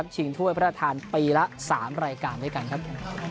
ถ้วยพระราชทานปีละ๓รายการด้วยกันครับ